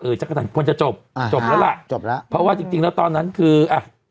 เออจักรจันทร์จ้าจบจบแล้วละเพราะว่าจริงแล้วตอนไหนก็คือ